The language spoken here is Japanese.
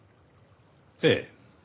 ええ。